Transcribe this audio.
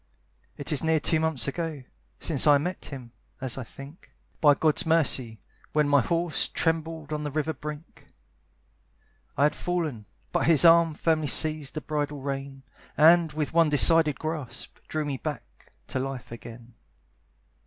It is near two months ago Since I met him, as I think, By God's mercy, when my horse Trembled on the river's brink. I had fallen, but his arm Firmly seized the bridle rein, And, with one decided grasp, Drew me back to life again.